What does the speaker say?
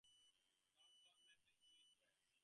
Downtown Memphis is to the west.